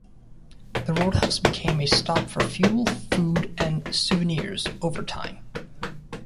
The roadhouse became a stop for fuel, food and souvenirs over time.